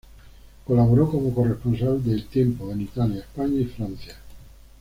Colaboró como corresponsal de "El Tiempo" en Italia, España y Francia.